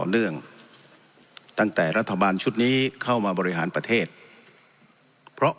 เนื่องตั้งแต่รัฐบาลชุดนี้เข้ามาบริหารประเทศเพราะ